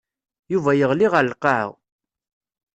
Yuba yeɣli ɣer lqaɛa.